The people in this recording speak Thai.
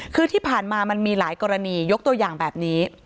คือที่ผ่านมามันมีหลายกรณียกตัวอย่างแบบนี้